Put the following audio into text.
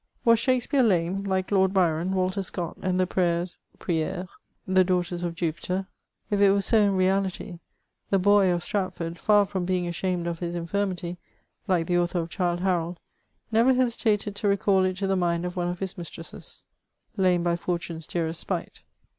Was Shakspeare lame, like Lord Byron, Walter Scott, and the Prayers (prieres), the daughters of Jupiter ? If it was so in reality, the Bor of Stratford, far from being ashamed of his infirmity, like the author of *^ Childe Harold," never hesi tated to recal it to the mind of one of his mistresses :—,,, lame by fortune's dearest spite."